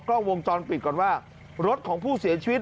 กล้องวงจรปิดก่อนว่ารถของผู้เสียชีวิต